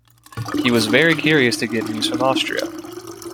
He was very curious to get news from Austria.